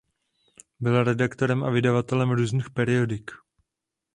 Byl redaktorem a vydavatelem různých periodik.